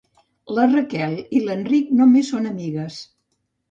La Raquel i l'Eric només són amigues.